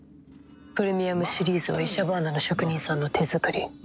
プレミアムシリーズはイシャバーナの職人さんの手作り。